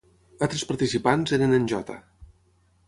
Altres participants eren en J.